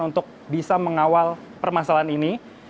untuk bisa mengawal permasalahan ini